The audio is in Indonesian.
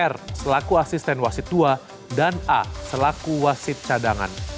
r selaku asisten wasit dua dan a selaku wasit cadangan